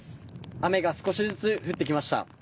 雨が少しずつ降ってきました。